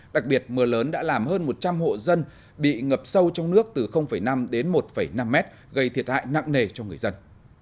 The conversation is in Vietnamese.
đặc biệt mưa lớn đã làm hơn một trăm linh hộ dân bị ngập sâu trong nước từ năm đến một năm mét gây thiệt hại nặng nề cho người dân